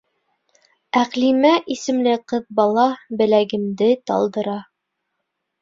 — Әҡлимә исемле ҡыҙ бала беләгемде талдыра.